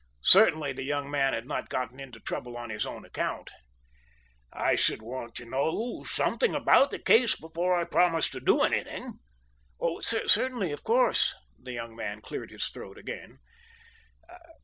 Certainly the young man had not gotten into trouble on his own account. "I should want to know something about the case before I promised to do anything." "Certainly of course " The young man cleared his throat again.